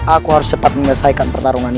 aku harus cepat mengesaikan pertarungan ini